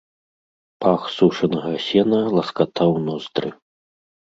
Пах сушанага сена ласкатаў ноздры.